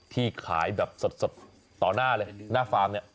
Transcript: ที่ขายแบบต่อหน้าเลยหน้าฟาร์ม